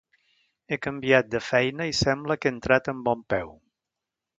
He canviat de feina i sembla que he entrat amb bon peu.